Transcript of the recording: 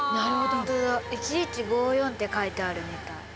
本当だ「１１５４」って書いてあるみたい。